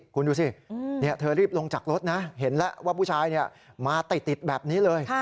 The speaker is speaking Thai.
คุณดูสิเธอรีบลงจากรถนะเห็นแล้วว่าผู้ชายมาติดแบบนี้เลย